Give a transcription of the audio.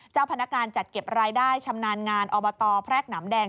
พนักงานจัดเก็บรายได้ชำนาญงานอบตแพรกหนำแดง